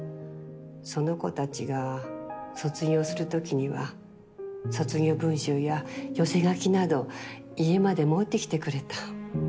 その子たちが卒業するときには卒業文集や寄せ書きなど家まで持ってきてくれた。